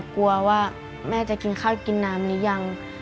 กลัวว่าแม่จะกินข้าวกินน้ำหรือยัง